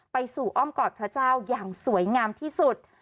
ไปสู่อ้อมกอดพระเจ้าอย่างสวยงามที่สุด